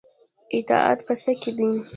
اطاعت په څه کې دی؟